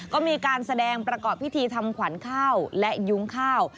ก็มีการแสดงประกอบพิธีทำขวัญข้าวและยุ้งข้าว